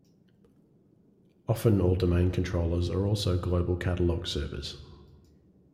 Often all domain controllers are also global catalog servers.